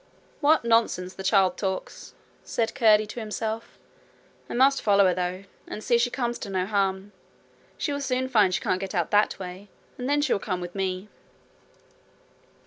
'What nonsense the child talks!' said Curdie to himself. 'I must follow her, though, and see that she comes to no harm. She will soon find she can't get out that way, and then she will come with me.'